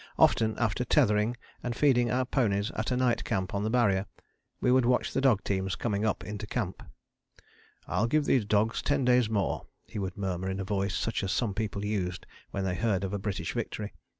Often, after tethering and feeding our ponies at a night camp on the Barrier, we would watch the dog teams coming up into camp. "I'll give these dogs ten days more," he would murmur in a voice such as some people used when they heard of a British victory.